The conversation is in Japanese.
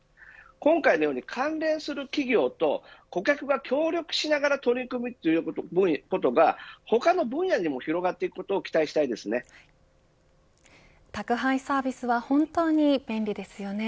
今回のように関連する企業と顧客が協力しながら取り組めるということが他の分野にも広がっていくことを宅配サービスは本当に便利ですよね。